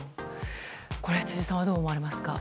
辻さんは、どう思われますか。